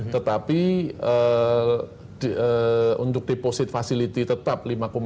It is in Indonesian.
tetapi untuk deposit facility tetap lima tujuh puluh lima